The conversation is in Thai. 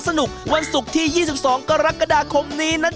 สวัสดีครับ